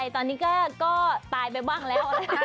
ตอนนี้ก็ตายไปบ้างแล้วนะคะ